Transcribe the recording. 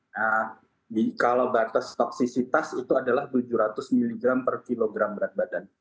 nah kalau batas toksisitas itu adalah tujuh ratus mg per kilogram berat badan